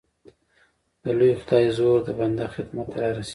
د لوی خدای زور د بنده خدمت ته را رسېږي